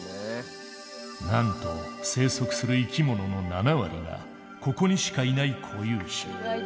なんと生息する生き物の７割がここにしかいない固有種。